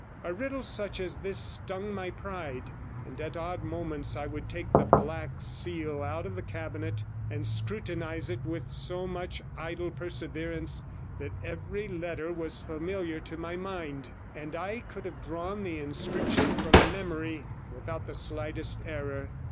A riddle such as this stung my pride, and at odd moments I would take the Black Seal out of the cabinet, and scrutinize it with so much idle perseverance that every letter was familiar to my mind, and I could have drawn the inscription from memory without the slightest 76 error.